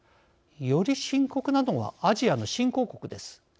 より深刻なのはアジアの新興国です。